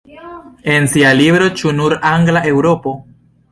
En sia libro "Ĉu nur-angla Eŭropo?